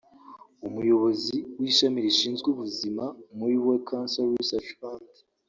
Umuyobozi w’ishami rishinzwe ubuzima muri World Cancer Research Fund